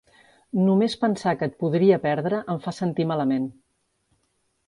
Només pensar que et podria perdre em fa sentir malament.